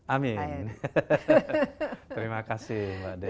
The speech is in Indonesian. amin terima kasih mbak dea